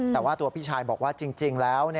แต่ว่าตัวพี่ชายบอกว่าจริงแล้ว